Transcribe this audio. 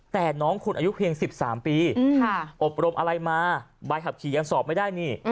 แต่น้องคุณอายุเพียง๑๓ปีอบรมอะไรมาใบขับขี่ยังสอบไม่ได้นี่